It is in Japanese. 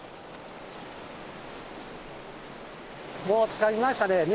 もうつかみましたね